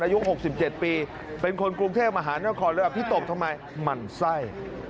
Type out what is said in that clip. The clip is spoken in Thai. อายุหกสิบเจ็ดปีเป็นคนกรุงเทพมหาเนื้อคอเลยอภิตบทำไมมั่นไส้